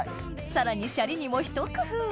さらにシャリにもひと工夫